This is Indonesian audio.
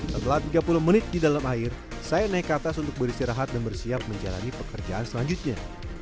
setelah tiga puluh menit di dalam air saya naik ke atas untuk beristirahat dan bersiap menjalani pekerjaan selanjutnya